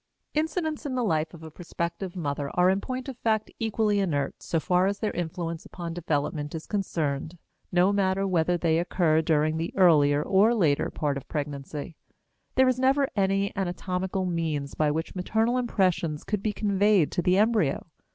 Incidents in the life of a prospective mother are in point of fact equally inert so far as their influence upon development is concerned, no matter whether they occur during the earlier or later part of pregnancy. There is never any anatomical means by which maternal impressions could be conveyed to the embryo.